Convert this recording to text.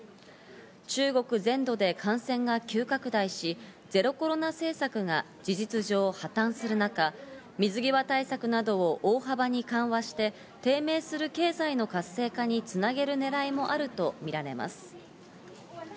中国全土で感染が急拡大し、ゼロコロナ政策が事実上破綻する中、水際対策などを大幅に緩和して、低迷する経済の活性化につなげる狙いもあるとみられます。